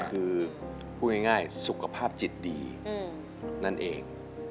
คือพูดง่ายสุขภาพจิตดีนั่นเอง